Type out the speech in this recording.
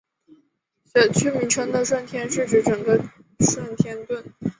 选区名称的顺天是指整个顺天邨。